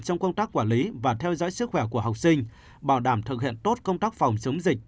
trong công tác quản lý và theo dõi sức khỏe của học sinh bảo đảm thực hiện tốt công tác phòng chống dịch